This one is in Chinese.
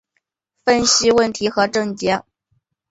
分析问题和症结